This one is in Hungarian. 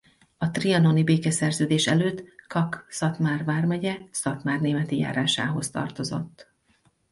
A trianoni békeszerződés előtt Kak Szatmár vármegye Szatmárnémeti járásához tartozott.